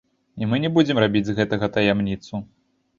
І мы не будзем рабіць з гэтага таямніцу.